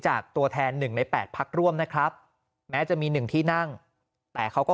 ตัวแทน๑ใน๘พักร่วมนะครับแม้จะมี๑ที่นั่งแต่เขาก็